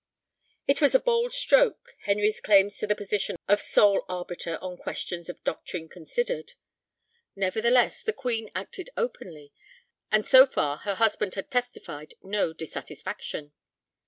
It was a bold stroke, Henry's claims to the position of sole arbiter on questions of doctrine considered. Nevertheless the Queen acted openly, and so far her husband had testified no dissatisfaction.